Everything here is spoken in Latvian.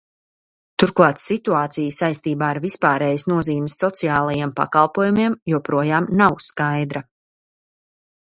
Turklāt situācija saistībā ar vispārējas nozīmes sociālajiem pakalpojumiem joprojām nav skaidra.